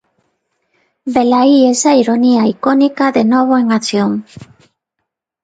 Velaí esa ironía icónica de novo en acción.